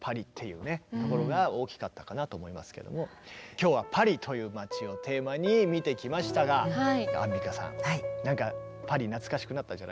今日はパリという街をテーマに見てきましたがアンミカさんなんかパリ懐かしくなったんじゃないですか？